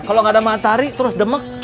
kalau nggak ada matahari terus demek